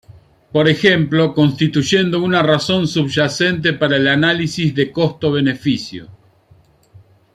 Por ejemplo, constituyendo una razón subyacente para el análisis de costo-beneficio.